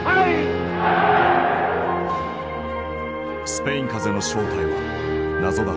スペイン風邪の正体は謎だった。